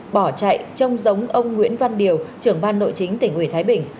bỏ chạy trông giống ông nguyễn văn điều trưởng ban nội chính tỉnh ủy thái bình